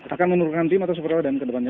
akan menurunkan tim atau super radar ke depannya